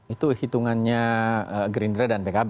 itu hitungannya green dread dan pkb